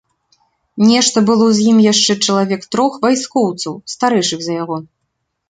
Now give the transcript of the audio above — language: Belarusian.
Нешта было з ім яшчэ чалавек трох вайскоўцаў, старэйшых за яго.